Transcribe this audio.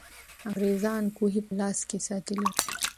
انګریزان کوهي په لاس کې ساتلې وو.